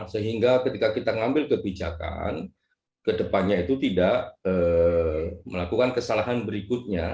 sehingga ketika kita ngambil kebijakan kedepannya itu tidak melakukan kesalahan berikutnya